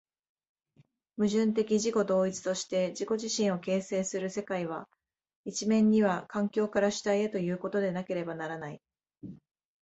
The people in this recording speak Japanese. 矛盾的自己同一として自己自身を形成する世界は、一面には環境から主体へということでなければならない。